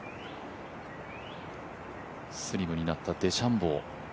スリムになったデシャンボー。